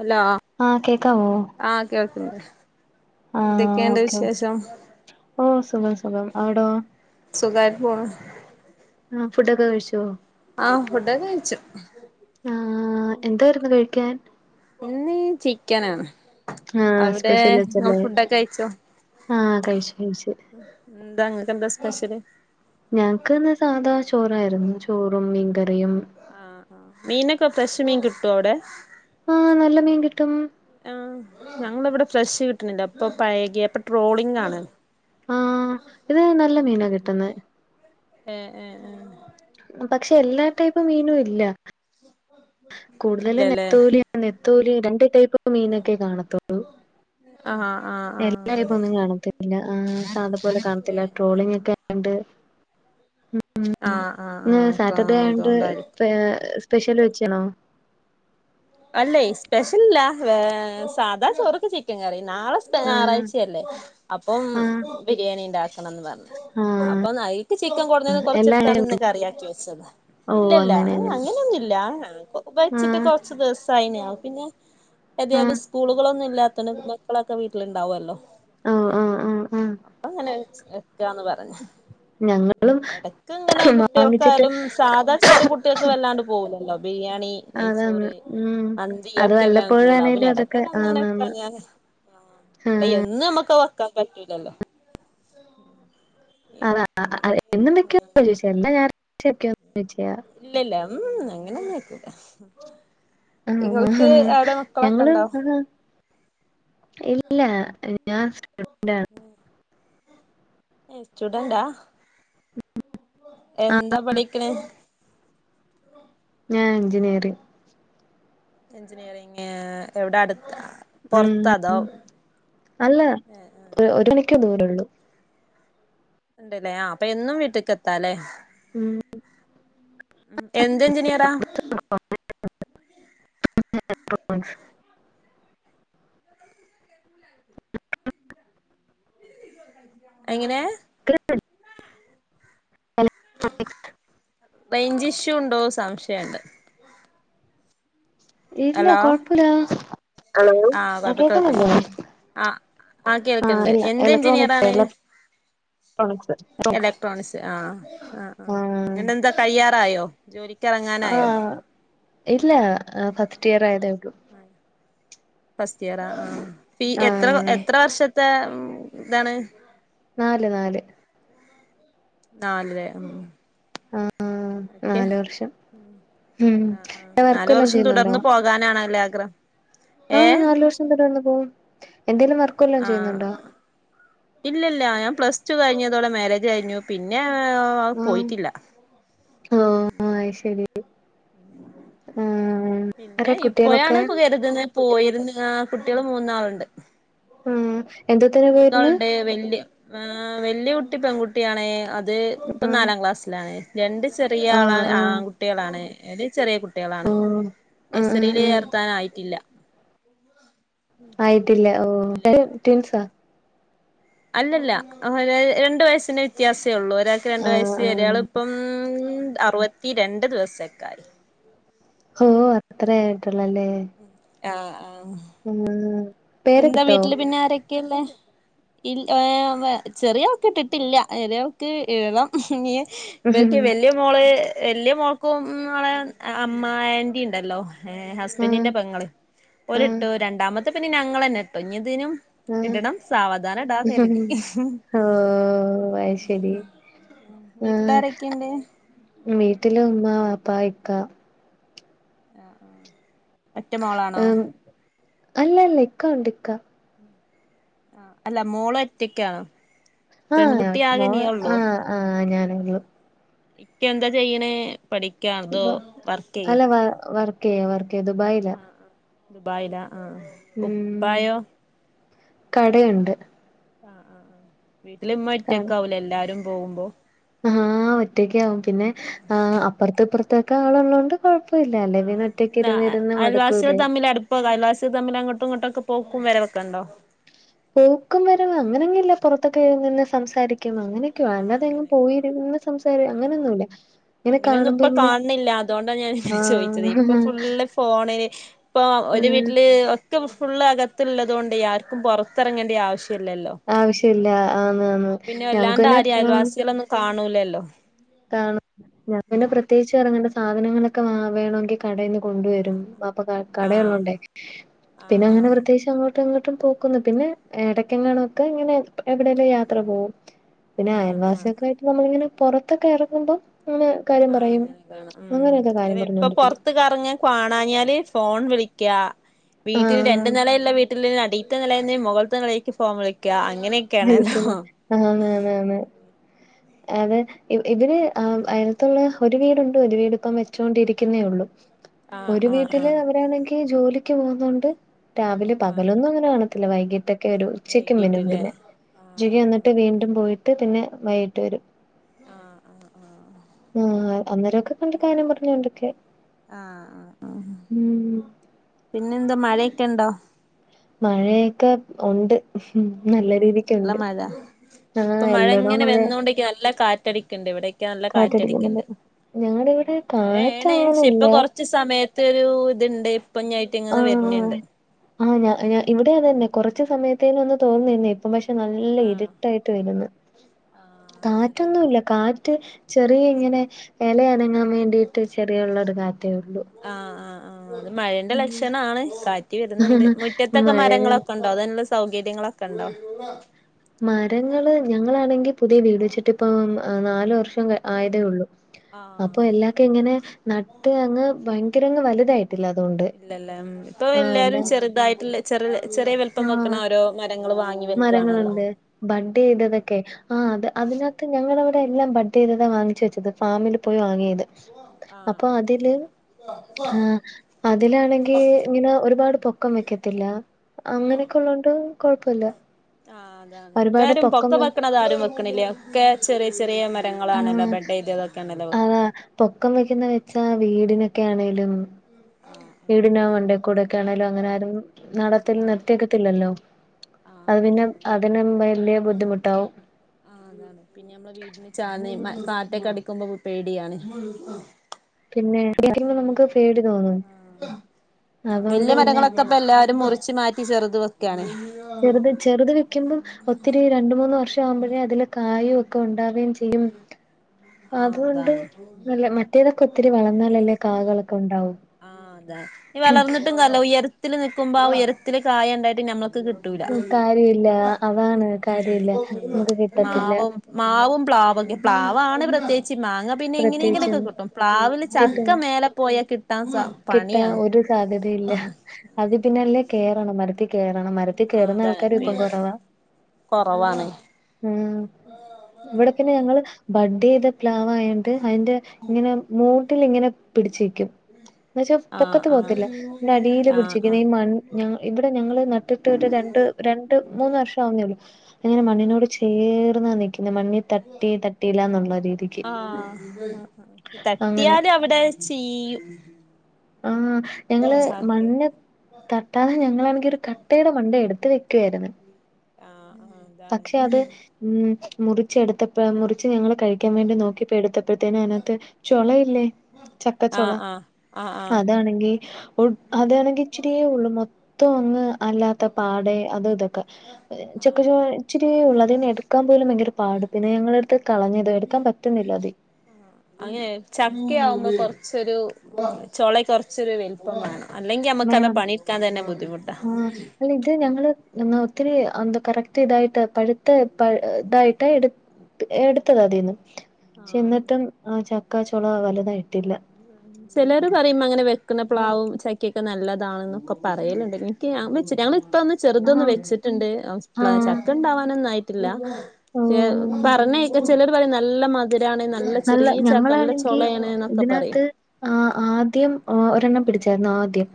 അല്ലോ ആഹ് കേക്കാവോ? ആഹ് കേൾക്കുന്നുണ്ട് ആഹ് എന്തൊക്കെയുണ്ട് ഓക്കെ വിശേഷം? ഓ സുഖം സുഖം [unintelligible] അവിടോ സുഖായിട്ട് പോണ് ആ ഫുഡ്ഒക്കെ കഴിച്ചോ ആ ഫുഡ്‌ ഒക്കെ കഴിച്ചു ആ എന്തായിരുന്നു കഴിക്കാൻ ഇന്ന് ചിക്കൻ ആണ് ആഹ് അവിടെ നമ്മൾ ഫുഡൊക്കെ കയിച്ചോ ആഹ കഴിച്ചു കഴിച്ചു എന്താ ഇങ്ങ്ക്കെന്താ സ്പെഷ്യല് ഞങ്ങക്ക്ന്ന് സാധാ ചോറായിരുന്നു ചോറും മീൻകറിയും ആഹ് ആഹ് മീനൊക്കെ ഫ്രഷ് മീൻ കിട്ടോ അവിടെ ആ നല്ല മീൻ കിട്ടും ആ ഞങ്ങളിവിടെ ഫ്രഷ് കിട്ടണില്ല ഇപ്പൊ പഴകിയപ്പോ ട്രോളിംഗാണ് ആഹ് ഇത് നല്ല മീനാ കിട്ടുന്നേ ഏ ഏഹ് പക്ഷെ എല്ലാ ടൈപ്പും മീനും ഇല്ല കൂടുതലും ഇല്ലല്ലേ നത്തോലി നെത്തൂലി രണ്ട് ടൈപ്പ് മീനൊക്കെ കാണത്തുള്ളൂ ആഹ ആഹ എല്ലാരും ഇപ്പൊ ഒന്നും കാണത്തില്ല ആ സാധപലെ കാണത്തില്ല ഏഹ് ട്രോളിങ് ഒക്കെ ആയോണ്ട് ആഹ് ആഹ് ഇന്ന് ആഹ് അപ്പൊ സാറ്റർഡേ ആയോണ്ട് അതോണ്ടായിരിക്കും സ്പെഷ്യല് വെച്ചണോ അല്ലേ സ്പെഷ്യൽല്ല സാധാണ ചോറുക്ക് ചിക്കൻ കറി നാളെ ആഹ് ഞായറാഴ്ചയല്ലേ അപ്പം ആഹ് ബിരിയാണി ഉണ്ടാക്കണം പറഞ്ഞു അപ്പൊ നൈക്ക് ചിക്കൻ കൊടുഞ്ഞേന്ന് എല്ലാ കൊറച്ചെടുത്താണ് കിട്ടും. ഇന്നൊക്ക് കറിയാക്കി വെച്ചതാ ഓ ഇല്ലല്ല അങ്ങനെ അങ്ങനെ അങ്ങനെയൊന്നുംല്ല വച്ചിട്ട് ആഹ് ദിവസായിനിം പിന്നെ ഏതായാലും ആഹ് സ്കൂളുകളൊന്നുമല്ലാത്തതോണ്ട് മക്കളൊക്കെ വീട്ടിലുണ്ടാവുമല്ലോ ഓ ഓ ഓ ഓ അപ്പൊ അങ്ങനെ വെക്കന്ന് പറ ഞങ്ങളും ഇടക്ക ഇങ്ങനെ വാങ്ങിച്ചിട്ട് കുട്ടികൾക്കായാലും സാധാ ചോറ് കുട്ട ട്ടേക്ക് വല്ലാണ്ട് പോകൂലല്ലോ ബിരിയാണി അതെ ചോറ് മന്തിക്കെല്ല പോല അന് വല്ലപ്പോഴാണേലും ഇടക്ക അതൊക്കെ അന്നങ്ങനെക്ക ആന്നാന്ന് ഞാൻ ആഹ് എന്നും നമ്മക്ക് വെക്കാൻ പറ്റുലല്ലോ അത എന്നുംന്തൊക്കെയ ചോച്ച എല്ലാ [unintelligible] ചോച്ചാ [unintelligible] ഇല്ലല്ല ഉം അങ്ങനെ ഒന്നും ഇല്ല ഹ ഹ മക്കളൊക്കെ ഞങ്ങള് ഉണ്ടോ ആഹ് ഇല്ല ഞാൻ സ്റ്റുഡന്റാണ് ഹ് സ്റ്റുഡന്റാ ആഹ് എന്താ പഠിക്കണെ ഞാ എഞ്ചിനീയറിംഗ് എൻജിനീയറിങ് എവിടെ അടുത്ത ഉ പൊറത്താ അതോ അല്ല ഒരു മണിക്കൂ ദൂരള്ളൂ ഉണ്ടല്ലേ ആ അപ്പൊ എന്നും വീട്ടിലക്ക് എത്താലേ ഉം എന്ത് എഞ്ചിനീയറാ എങ്ങനെ റേഞ്ചിഷുണ്ടോ സംശയണ്ട് ഇല്ല ഹലോ കൊഴപ്പില്ല ആ കേക്കുന്നുണ്ടോ? ആ ആ കേൾക്കണ്ട് എന്ത് എഞ്ചിനീയർ ഇലക്ട്രോണിക്സ് ആണ് ഇലക്ട്രോണിക്സ് ആഹ ആ ആ ആഹ് എന്താ കഴിയാറായോ ജോലിക്കറങ്ങാനായോ ആഹ് ഇല്ല ഫസ്റ്റ് ഇയർ ആയതേള്ളൂ ഫസ്റ്റ് ഇയർ ആ ഫീ എത്ര ആഹ് എത്ര വർഷത്തെ ഇതാണ് നാല് നാല് നാലര ഉം ആ ആ ഓക്കെ നാല് വർഷം ഉം വർക്കെല്ലാം ചെയ്യുന്നുണ്ടോ [unintelligible] നാണല്ലേ ആഗ്രഹ ആഹ് നാലല് വർഷം തൂടെ വന്ന് പോകും എന്തെേലും വർക്ക് വെല്ലാം ചെയ്യുന്നുണ്ടോ ഇല്ലല്ല ഞാൻ പ്ലസ് ടു കഴിഞ്ഞതോടെ മാരേജ് കഴിഞ്ഞു പിന്നെ പോയിട്ടില്ല ഓ ശരി ആ പിന്നെ ഇപ്പോഴാണ് കരുതുന്ന പോയിരുന്ന കുട്ടികൾ മൂന്നാളുണ്ട് ഉം എന്തോത്തിന് പോയിരുന്നു മൂന്നാളുണ്ട് വല്യ വല്യ കുട്ടി പെൺകുട്ടിയണേ അത് ഇപ്പം ആഹ് നാലാം ക്ലാസ്സിലാണ് രണ്ട് ചെറിയ ആള ആഹ് ആഹ് ആൺ കുട്ടികളാണ് അടെ ചെറിയ കുട്ടി ട്ടിളാണ് ഓഹ് ആഹ് ആഹ് നൈസറിയിൽ ആഹ് ചേർത്താനായിട്ടില്ല ആയിട്ടില്ല ഓ ൻ ട്ടിൻസ അല്ലല്ല രണ്ടു വയസിന്റെ വ്യത്യാസേ ഉള്ളു ഒരാൾക്ക് രണ്ട ആഹ് വയസ് ആഹ് ഒരാള് ഇപ്പം അറുപത്തിരണ്ട് ദിവസക്കേയായി ഓ് അത്ര ആയിട്ടൊള്ളല്ലേ ആ ആ ഉം എന്താ പേരൊക്കിട്ടോ വീട്ടില് പിന്നെ ആരൊക്കെ ക്കല്ലേ ചെറിയ ആൾക്ക് ഇട്ടിട്ടില്ല ചെറിയയാൾക്ക് ഇടണം ഇവർക്ക് വലിയ മോള് വലിയ മോൾക്കും ഓളെ അമ്മ ആന്റി ഉണ്ടല്ലോ ഏഹ ആഹ് ഹസ്ബൻഡറിന്റെ പെങ്ങള് ഓല് ആഹ് ഇട്ടു രണ്ടാമത്തെ പിന്നെ ഞങ്ങൾ ന്നെ ഇട്ടു ഇഞ്ഞ് ഇതിനും ആഹ് ഇടണം സാവധാന ഇടാന്ന് കരുതി ഓ അത് ശരി വീട്ടിലാരൊക്കെയ്ണ്ട് വീട്ടില ഉമ്മ ബാപ്പാ ഇക്കാ ആ ആ ഒറ്റ മോളാണോ അല്ലല്ല ഇക്ക ഉണ്ട് ഇക്ക ആ അല്ല മോള ഒറ്റക്കാണ് ആഹ് മൊൾ ആഹ് ആഹ് ഞാനൊള്ളൂ ഇക്ക എന്താ ചെയ്യണേ പഠിക്ക ദുബ അല്ല വ വർക്കയ വർക്കേ ദുബായി്ല ദുബായില ആ ഉപ്പായോ കടയ്ണ്ട് ആ ആ ആ വീട്ടില് ഇമ്മ ഒറ്റക്ക് ആവൂലെ എല്ലാരും പോവുമ്പോ ആ ഒറ്റൊക്കാകും പിന്നെ ആ് അപ്പുറത്തെ ഇപ്പുറത്തൊക്കെ ആള് ഉള്ളൊണ്ട് കൊഴപ്പല്ല അല്ലെ പിന്നെ ആഹ് ഒറ്റക്ക് ഇരുന്നിരുന്ന് മടുക്കൂലെ ഇപ്പ കൈലാശം തമ്മിൽങ്ങട്ടും ഇങ്ങോട്ടൊക്കെ പോക്കും വരവൊക്കെ ഉണ്ടോ? പോക്കും വര അങ്ങനെങ്ങ ഇല്ല പുറത്തൊക്കെ നിന്ന് സംസാരിക്ക അങ്ങനെയൊക്കെയ ആഹ് അല്ലാതെങ്ങങ് അങ്ങനെ ആഹ് പോയിരന്ന് സംസാ അങ്ങനെയൊന്നുമല്ല ഇങ്ങനെ കാണുമ്പോ ഇങ്ങനെ അതുകൊണ്ടാണ് ഞാൻ ഇങ്ങനെ ചോദിച്ചത് ഇപ്പൊ ആഹ് ഫുള്ള് ഫോണില് ഇപ്പൊ ഒരു ആഹ് വീട്ടില് ഫുൾ അകത്തള്ളതുകൊണ്ട് ആർക്കും പുറത്തിറങ്ങേണ്ട ആവശ്യല്ലല്ലോ ആവശ്യല്ല ആ ആ ന്ന് വല്ലാണ്ട് ഞങ്ങക്ക്ന്നെ ആരെയും ആ അയൽവാസികളൊന്നും കാണൂലല്ലോ കാരണം ഞാൻ പ്രെത്യേകിച്ച് ഇറങ്ങണ്ട സാധനങ്ങളൊക്കെ വ വേണമെങ്കിൽ കടയിൽന്ന് കൊണ്ടുവരും. ആഹ് കടയള്ളൊണ്ടെ ആഹ് പിന്നെ അങ്ങനെ ആഹ് പ്രത്യേകിച്ച് അങ്ങോ എങ്ങോട്ടും പോക്കുന്നു പിന്നെ എടക്കെങ്ങണൊക്കെ ഇങ്ങനെ എവിടെയേലും യാത്ര പോവും പിന്നെ ആഹ് ആഹ് അയൽവാസിക്കെ ആയിട്ട് നമ്മളിങ്ങനെ പുറത്തൊക്കെ ഇറങ്ങുമ്പോ ങ്ങനെ ആഹ് അങ്ങനെ കാണും ഉം അല്ല ഇപ്പൊ പറഞ്ഞോണ്ടിരിക്കും. പുറത് കറങ്ങ് കാണാഞ്ഞാല് ഫോൺ വിളിക്ക വീട്ടന് ആഹ് രണ്ട് നില ഉള്ള വീട്ടിൽടി നലേന്ന് മുഖത്ത് നെലെക്ക് ഫോണ് വിളിക്ക അങ്ങനെ വിളിക്കല് ആ [unintelligible] അത് ഇ ഇവര് ഏഹ് അയലത്തുള്ള ഒരു വീടുണ്ട് ഒരു വീട് ഇപ്പം വെച്ചോണ്ടിരിക്കുന്നേ ഒള്ളു ആഹ് ഒരു ആഹ് വീട്ടില് ആഹ് അവരാണെങ്കി ജോലിക്ക് പോകുന്നോണ്ട് രാവിലെ പകലൊന്നും അങ്ങനെ കാണത്തില്ല വൈകീട്ടൊക്കെ ആഹ് വരോള്ളു ഉച്ചയ്ക്കു വരും വൈകീട്ടില്ലേ പിന്നെ ആഹ് ഉച്ചയ്ക്ക് ആഹ് വന്നിട്ട് വീണ്ട് ണ്ടും പോയിട്ട് പിന്നെ വൈകിട്ട് വരും. ആഹ് ആഹ് ആഹ് ആഹ് അന്നേരക്കെ കണ്ട് കാര്യം പറഞ്ഞോണ്ട്ക്കെ ആഹ് ആഹ് ആഹ് ഉം പിന്നെന്താ മഴേക്കെണ്ടോ? മഴേക്കെ ഉണ്ട് നല്ല ഉം നല്ല രീതിക്കുണ്ട്. മഴ ഇപ്പൊ ആഹ് മഴ എല്ലടോം ഇങ്ങനെ മഴയാ വന്നോണ്ട്ക്കാ നല്ല കാറ്റടിക്ക്ണ്ട് ഇവിടെക്കെ നല്ല കാറ്റടിക്ക്ണ്ട് കാറ്റടിക്കുന്നുണ്ട് ഞങ്ങടെ ഇവിടെ കാറ്റ് മഴേണ് ക്ഷെ ഇപ്പൊ അങ്ങനെയില്ല കൊറച്ച് സമയത്ത് ഒരു ഇത്ണ്ട് ഇപ്പഞ്ഞ് അയിച്ചങ്ങന്ന് ആഹ് വര്ന്ണ്ട് ആഹ് ഞാ ഞാ ഇവിടെം അത് തന്നെ കൊറച്ച് സമയത്തേനൊന്ന് തോറ്ന്ന്നിന്നേ ഇപ്പം പക്ഷെ നല്ല ആഹ് ഇര്ട്ടായിട്ട് വര്ന്ന് ആഹ് അങ്ങനെ തന്നെ കാറ്റൊന്നുല്ല കാറ്റ് ചെറിയ ഇങ്ങനെ എല അനങ്ങാ വേണ്ടീട്ട് ചെറിയുള്ളൊരു കാറ്റേ ഒള്ളൂ ആഹ് ആഹ് ആഹ് അത് മഴന്റെ ലക്ഷണാണ് കാറ്റ് വര്ന്ന്ണ്ട് ഉം മുറ്റത്തൊക്കെ മഴ മരങ്ങളൊക്കെ [unintelligible] സൗകര്യങ്ങളൊക്കെണ്ടോ? മരങ്ങള് ഞങ്ങളാണെങ്കി പുത്യേ വീട് വെച്ചിട്ട് ഇപ്പം നാല് വർഷം ക ആയതേ ഒള്ളു ആഹ് അപ്പൊ എല്ലാക്കെ ഇങ്ങനെ നട്ട് അങ്ങ് ഭയങ്കരങ്ങ് വല്തായി ഇല്ലല്ലേ ഇപ്പൊ എല്ലാരും എല്ലാം ചെറ്തായിട്ട്ള്ള ചെറ ചെറിയെ വലിപ്പം വെക്ക്ണ ഓരോ മരങ്ങൾ വാങ്ങി വെക്കാണല്ലോ മരങ്ങള്ണ്ട് ബഡ്ഡ് ചെയ്തതൊക്കെ ആഹ് അത് അതിനകത്ത് ഞങ്ങളവിടെ എല്ലാം ബഡ് ചെയ്തതാ വാങ്ങിച്ച് വെച്ചത് ഫാമിൽ പോയി വാങ്ങിയത് ആഹ് അപ്പൊ അതില് ആഹ് ആഹ് അതിലാണെങ്കി ഇങ്ങനെ ഒരുപാട് പൊക്കം വെക്കത്തില്ല. അങ്ങനെയൊക്കെ ഉള്ളോണ്ട് കൊഴപ്പല്ല. ആഹ് അതാണ് ഒരുപാട് ഇപ്പാരും പൊക്കം വെ വെക്ക്ണത് ആരും വെക്കണില്ല ഒക്കെ ചെറിയ ചെറിയ മ രങ്ങാളാണല്ലോ ആഹ് ബഡ്ഡ്യ്തതോക്കെയാണല്ലോ അതാ വെക്ക്ന്നേ പൊക്കം വെക്ക്ന്ന വെച്ചാ വീടിനൊക്കെ ആണെലും ആഹ് വീടിന്റെ മണ്ടേക്കൂടെക്കെ ആണെലും അങ്ങനെ ആരും നടത്തിൽ ആഹ് നിർത്തി വെക്കത്തില്ലല്ലോ. ആഹ് ആഹ് അത് ആഹ് പിന്നെ ആഹ് അതിനും വല്ല്യ ബുദ്ധിമുട്ടാവും. ആഹ് പിന്നെ നമ്മള് വീടിന് ചാന്ന് ഈ മ കാറ്റൊക്കെ അടിക്കുമ്പോ പേടിയാണ്. പിന്നെ കാറ്റടിക്കുമ്പോ നമുക്ക് പേടി തോന്നും. അതുകൊണ്ട് വല്യ പിന്നെ മരങ്ങളൊക്കെപ്പോ എല്ലാരും മുറിച്ചു മാറ്റി ചെറ്ത് വെക്കാണ് ആഹ് ചെറ്ത് ചെറ്ത് വെക്കുമ്പോ ഒത്തിരി രണ്ട് മൂന്ന് വർഷം ആവുമ്പോഴേ അതില് കായൊക്കെ ഉണ്ടാവെ ഉം അതുണ്ട് മറ്റേതൊക്കെ ഒത്തിരി വളർന്നാലല്ലേ കാകളൊക്കെ ഉണ്ടാവൂ ആഹ് അതാ ഇഞ്ഞ് വളർന്നിട്ടും കാര്യല്ല ഉയരത്തിൽ നിക്കുമ്പോ ആ ഉയരത്തില് കായണ്ടായിട്ട് ഞമ്മൾക്ക് കി ട്ടൂല ഉം കാര്യമില്ല അതാണ് കാര്യമില്ല മ്മ് മ്മ് നമുക്ക് കിട്ടത്തില്ല മാവും മാവും പ്ലാവൊക്കെ പ്ലാവാണ് പ്രത്യേയിച്ച് മാങ്ങ പിന്നെ എങ്ങനെങ്കിലൊക്കെ പ്രത്യേകിച്ചും കിട്ടും പ്ലാവില് ചക്ക മേലെ പോയാ കിട്ടാ സ കിട്ടാ പണിയാണ് ഒരു സാധ്യതയില്ല അത് പിന്നെ അല്ലേ കേറണം മരത്തി കേറണം മരത്തി ആ കേറുന്ന അതാണ് ആൾക്കാരും ഇപ്പം പിന്നെ കൊറവാ കൊറവാണ് ഉം ഇവിടൊക്കയിന് ഞങ്ങള് ബഡ്ഡ്യ്ത പ്ലാവായൊണ്ട് അയിന്റെ ഇങ്ങനെ മൂട്ടിലിങ്ങനെ പിടിച്ച് നിക്കും എന്ന് വെച്ചാ ആഹ് പൊക്കത്ത് ആഹ് പോവത്തില്ല അടീല് ആഹ് പിടിച്ചിരിക്കും ആഹ് ഈ മൺ ഞാ ഇവിടെ ഞങ്ങള് നട്ടിട്ട് ഒരു രണ്ട് രണ്ട് മൂന്ന് വർഷാവുന്നേ ഒള്ളു അത്ങ്ങനെ മണ്ണിനോട് ചേർന്നാ നിക്ക്ന്നേ മണ്ണി ആഹ് അങ്ങനെ തട്ടിയാലും അവിടത് ചീഴും ആഹ് ഞങ്ങള് [unintelligible] തട്ടാതെ ഞങ്ങളാണങ്കി ഒരു കട്ടയുടെ മണ്ട എടുത്ത് വെക്കായിരുന്നു. ആഹ് ആഹ് അതാണ് പക്ഷെ അത് ഉം മുറിച്ച് എടുത്തപ്പഴാ മുറിച്ച് ഞങ്ങള് കഴിക്കാൻ വേണ്ടി നോക്കിയപ്പൊ എടുത്തപ്പോഴത്തേനും അതിനകത്ത് ചോളയില്ലേ ആഹ് ആഹ് ആഹ് ആഹ് അതാണെങ്കി ഒട്ട് അതാണെങ്കി ഇച്ചിരിയേ ഉള്ളൂ മൊത്തം അങ്ങ് അല്ലാത്ത പാടെ അത് ഇതൊക്കെ ആഹ് ചെക്കച്ചോളച്ചിരിയേ ഒള്ള് അതെന്നെ ക്കാൻ പോലും ഭയങ്കര പാട് പിന്നെ ഞങ്ങളടുത്ത് കളഞ്ഞത് എടുാൻ പറ്റുന്നില്ല അത്. ആഹ് അങ്ങനെ ചക്ക ആവുമ്പോ കൊർച്ചൊരു ചൊള കൊർച്ചൊരു വലുപ്പം വേണം അല്ലെങ്കി മ്മക്ക് അത് വേണം പണിട്ക്കാൻ തന്നെ ബുദ്ധിമുട്ടാ. ആഹ് അല്ല ഇത് ഞങ്ങള് ഒത്തിരി എന്താ കറക്റ്റ് ഇതായിട്ട് പഴുത്ത ഇതായിട്ട് എട് എടുത്തതതിന്നും ച്ചെന്നിട്ടും ആ ചക്കാച്ചുള വലുതായിട്ടില്ല. ആഹ് ചെലോര് പറയും അങ്ങനെ വെക്കുന്ന പ്ലാവും ചക്കയൊക്കെ നല്ലതാണെന്നൊക്കെ പറയലുണ്ട് എനിക്ക് [unintelligible] ചെറുതൊന്ന് ആഹ് വെച്ചിട്ടുണ്ട് [inaudible] ആഹ് ചക്ക ഉണ്ടാവാനൊന്നും ആയിട്ടില്ല. ചെ ഓഹ് പറണേക്ക ചിലര് പറയും നല്ല മതി തിരാണ് നല്ല ചെറിയച നല്ല ചോളേണ് ആ ആദ്യം ഒ ഒരെണ്ണം പിടിച്ചാരുന്നു ആദ്യം.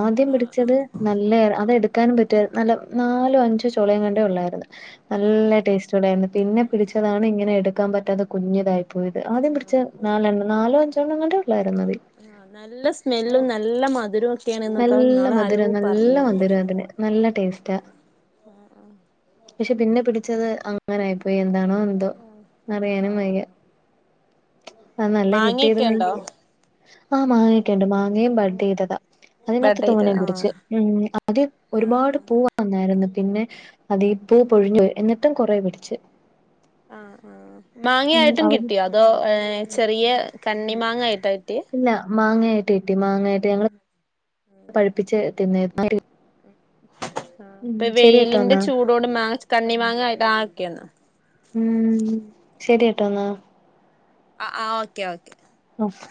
ആദ്യം പിടിച്ചത് ആഹ് നല്ല അതെടുക്കാനും പറ്റുവായ് നല്ല നാലോ അഞ്ചോ ചു ളങ്ങാണ്ടെ ഉള്ളാര്ന്ന് നല്ല ടേസ്റ്റണ്ടായിര്ന്ന് പിന്നെ പിടിച്ചതാണ് ഇങ്ങനെ എടുക്കാൻ പറ്റാത്ത കുഞ്ഞതായി പോയത് ആഹ് ആദ്യം പിടിച്ചത് ആഹ് നാലെണ്ണം നാലോ അഞ്ചെണ്ണം ങ്ങാണ്ടെ ഉള്ളായിരുന്നു അത് ആ നല്ല സ്മെല്ലും നല്ല മധുരും നല്ല മധുരം നല്ല മധുരം അതിന് നല്ല ടേസ്റ്റാ. ആഹ് ആഹ് പക്ഷെ പിന്നെ പിടിച്ചത് അങ്ങനായിപ്പോയി എന്താണോ എന്തോ ആഹ് അറിയാനും വയ്യ. ആഹ് ആ നല്ല മാങ്ങയൊക്കെ ഉണ്ടോ കിട്ടിയിരുന്നെങ്കിൽ ആഹ് മാങ്ങൊക്കെണ്ട് മാങ്ങയും ബഡഡ് ചെയ്തതാ അതിനകത്ത് ബെഡെയ്ത് തോനെയും പിടിച്ച്. ആഹ് ഉം അത് ഒരുപാട് പൂവ് വന്നായിരുന്നു പിന്നെ അത് പൂ പൊഴിഞ്ഞു പോയ്‌ എന്ന ട്ടും കുറേ പിടിച്ച് ആ ആ ഉം മാങ്ങായിട്ടും അവിടെ കിട്ടിയോ അതോ ഏ ചെറിയ കണ്ണി മാങ്ങയിട്ടാ കിട്ടിയെ? ല്ല മാങ്ങായിട്ട് കിട്ടി മാങ്ങായിട്ട് ഞങ്ങള് പഴുപ്പിച്ച് തിന്നേര് [inaudible] ആ ഇപ്പൊ ശരി കേട്ടോ വെയിലിന്റെ എന്നാ ചൂടോണ്ട് മാങ്ങ കണ്ണി മാങ്ങ ആ [unintelligible] ഉം ശരി ട്ടോ ന്നാ. ആഹ് ആഹ് ഓക്കെ ഓക്കെ ആഹ്